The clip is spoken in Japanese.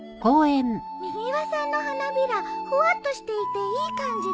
みぎわさんの花びらふわっとしていていい感じだね。